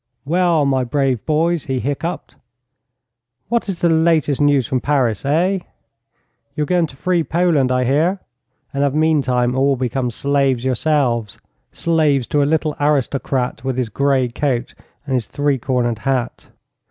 'Well, my brave boys,' he hiccoughed. 'What is the latest news from Paris, eh? You're going to free Poland, I hear, and have meantime all become slaves yourselves slaves to a little aristocrat with his grey coat and his three cornered hat.